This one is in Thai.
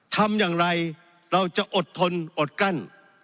ทำอย่างไรเราจะอดทนอดกั้น